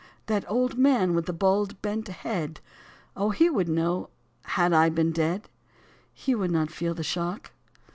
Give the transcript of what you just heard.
66 That old man with the bald, bent head ? Oh, he would know I had been dead, He would not feel the shock.